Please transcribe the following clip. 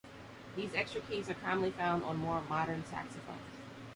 These extra keys are commonly found on more modern saxophones.